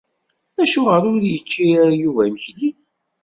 Acuɣer ur yečči ara Yuba imekli?